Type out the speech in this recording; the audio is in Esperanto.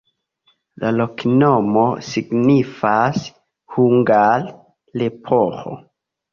La loknomo signifas hungare: leporo.